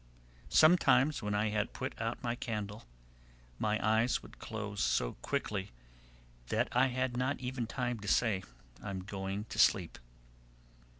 Sometimes, when I had put out my candle, my eyes would close so quickly that I had not even time to say "I'm going to sleep."